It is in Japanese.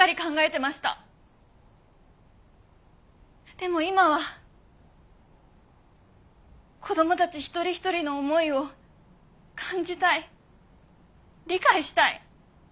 でも今は子供たち一人一人の思いを感じたい理解したい。